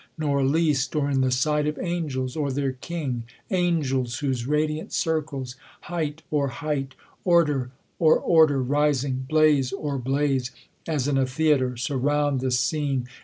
nor least, Or in the sight of angels, or their King ! Angels, whose radiant circles, height o'er height, Order o'er order rising, blaze o'er blaze, As in a theatre, surround this scene.